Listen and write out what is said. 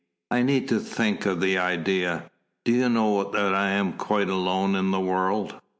I needed to think of the idea. Do you know that I am quite alone in the world?"